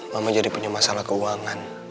mama jadi punya masalah keuangan